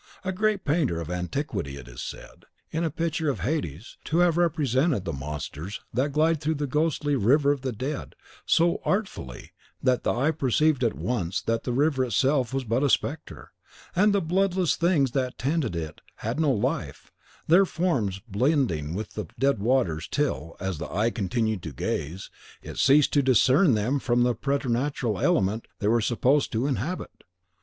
A great painter of antiquity is said, in a picture of Hades, to have represented the monsters that glide through the ghostly River of the Dead, so artfully, that the eye perceived at once that the river itself was but a spectre, and the bloodless things that tenanted it had no life, their forms blending with the dead waters till, as the eye continued to gaze, it ceased to discern them from the preternatural element they were supposed to inhabit.